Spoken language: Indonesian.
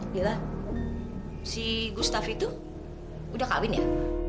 mila si gustaf itu udah kawin ya